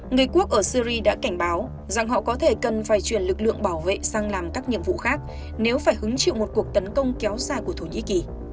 người quốc ở syri đã cảnh báo rằng họ có thể cần phải chuyển lực lượng bảo vệ sang làm các nhiệm vụ khác nếu phải hứng chịu một cuộc tấn công kéo xa của thổ nhĩ kỳ